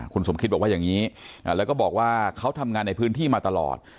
คุณสมคิตบอกว่าอย่างนี้แล้วก็บอกว่าเขาทำงานในพื้นที่มาตลอด